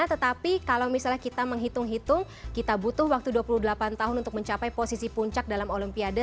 tetapi kalau misalnya kita menghitung hitung kita butuh waktu dua puluh delapan tahun untuk mencapai posisi puncak dalam olimpiade